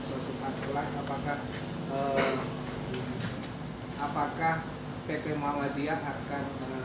apakah pp maladiah akan secara institusi membackup salah satu